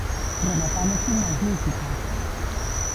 Rematamos con máis música.